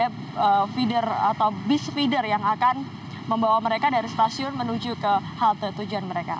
dan itu adalah bus feeder yang akan membawa mereka dari stasiun menuju ke halte tujuan mereka